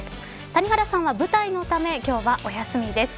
谷原さんは舞台のため今日はお休みです。